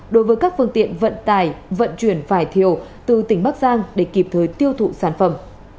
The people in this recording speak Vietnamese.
đối với các phương tiện vận tài vận chuyển phải thiệu từ tỉnh bắc giang để kịp thời tiêu thụ sản phẩm